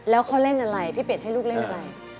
แล้วเขาเล่นอะไรพี่เป็ดให้ลูกเล่นอะไร